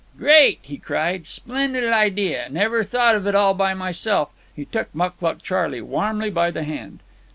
"Great!" he cried. "Splen'd idea. Never thought of it all by myself." He took Mucluc Charley warmly by the hand.